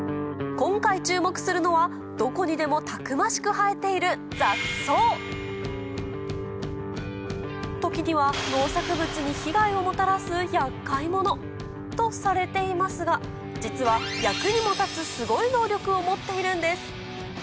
今回注目するのはどこにでもたくましく生えている時には農作物に被害をもたらすとされていますが実は役にも立つすごい能力を持っているんです